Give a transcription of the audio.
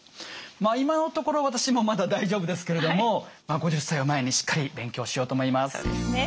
まあ今のところ私もまだ大丈夫ですけれども５０歳を前にしっかり勉強しようと思います。